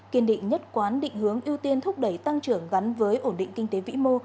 kiên định nhất quán định hướng ưu tiên thúc đẩy tăng trưởng gắn với ổn định kinh tế vĩ mô